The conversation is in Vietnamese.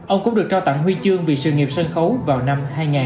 ông cũng được cho tặng huy chương vì sự nghiệp sân khấu vào năm hai nghìn